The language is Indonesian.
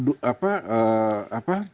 tuduhan bahwa qatar mendukung ikhwanul mubarak